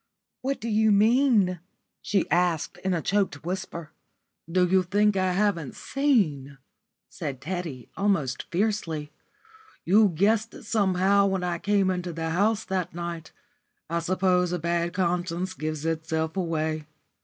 "What do you mean?" she asked in a choked whisper. "Do you think I haven't seen?" said Teddy, almost fiercely. "You guessed it somehow when I came into the house that night. I suppose a bad conscience gives itself away.